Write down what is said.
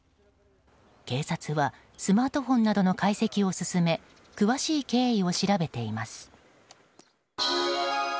警察はスマートフォンなどの解析を進め詳しい経緯を調べています。